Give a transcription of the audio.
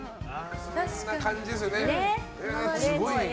そんな感じですよね。